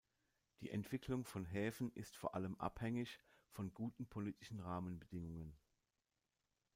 Die Entwicklung von Häfen ist vor allem abhängig von guten politischen Rahmenbedingungen.